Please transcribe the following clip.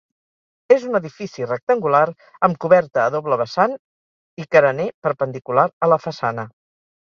És un edifici rectangular, amb coberta a doble vessant i carener perpendicular a la façana.